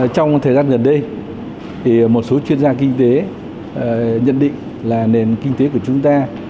trong thời gian gần đây một số chuyên gia kinh tế nhận định là nền kinh tế của chúng ta